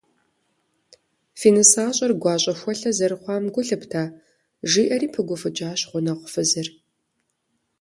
- Фи нысащӏэр гуащӏэхуэлъэ зэрыхъуам гу лъыпта? - жиӏэри пыгуфӏыкӏащ гъунэгъу фызыр.